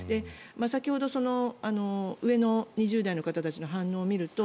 先ほど上の２０代の方たちの反応を見ると